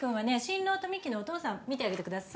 新郎と美樹のお父さん見てあげてください。